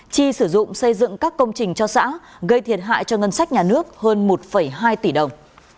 chi sử dụng xây dựng các công trình cho xã gây thiệt hại cho ngân sách nhà nước hơn một hai tỷ đồng